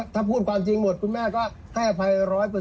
ถ้าพูดความจริงหมดคุณแม่ก็ให้อภัย๑๐๐